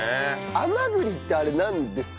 甘栗ってあれなんですか？